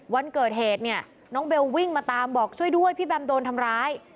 วันเกิดเหตุเนี่ยน้องเบลวิ่งมาตามบอกช่วยด้วยพี่แบมโดนทำร้าย